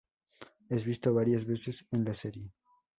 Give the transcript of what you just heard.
Es visto varias veces en la serie.